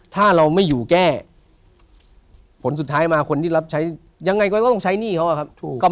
ถ้าเราไม่อยู่แก้ผลสุดท้ายมาคนที่รับใช้ยังไงก็ต้องใช้หนี้เขาอะครับ